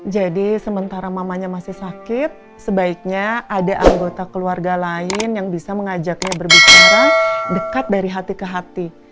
jadi sementara mamanya masih sakit sebaiknya ada anggota keluarga lain yang bisa mengajaknya berbicara dekat dari hati ke hati